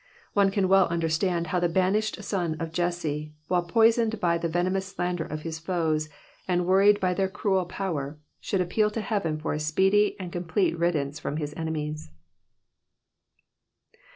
One can well understand how the banished son of Jesse, while poisoned by the venomous slander of his foes, and worried by their cruel power, should appeal to heaven for a speedy and complete riddance from his enemies.